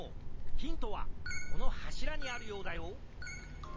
ヒントはこのはしらにあるようだよ